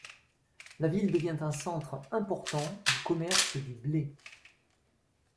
La ville devient un centre important du commerce du blé.